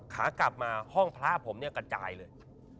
ขากลับมาห้องพระผมเนี่ยกระจายเลย